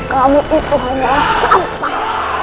kamu itu hanya sampah